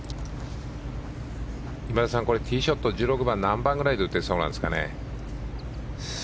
今田さん、ティーショットは１６番を何番くらいで打てそうなんですかね？